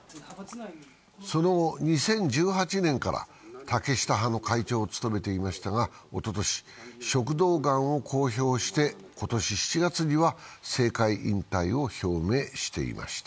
その後、２０１８年から竹下派の会長を務めていましたがおととし、食道がんを公表して今年７月には政界引退を表明していました。